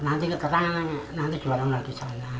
nanti keterang nanti jualan lagi sana